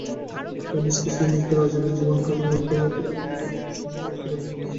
এই নিস্তব্ধ মৃত্যু রাজীবের জীবনকে আলিঙ্গন করিয়া প্রতিদিন যেন বিশীর্ণ করিতে লাগিল।